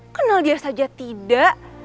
kenal dia saja tidak